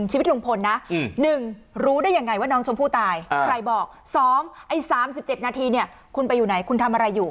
ชีวิตลุงพลนะ๑รู้ได้ยังไงว่าน้องชมพู่ตายใครบอก๒ไอ้๓๗นาทีเนี่ยคุณไปอยู่ไหนคุณทำอะไรอยู่